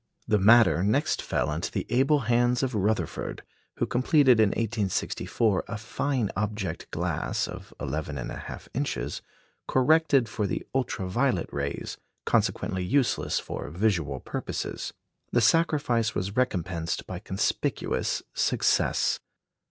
The matter next fell into the able hands of Rutherfurd, who completed in 1864 a fine object glass (of 11 1/2 inches) corrected for the ultra violet rays, consequently useless for visual purposes. The sacrifice was recompensed by conspicuous success.